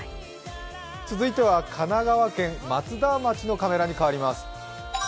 続いては神奈川県松田町のカメラに替わります。